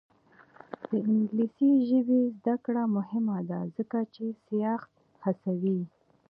د انګلیسي ژبې زده کړه مهمه ده ځکه چې سیاحت هڅوي.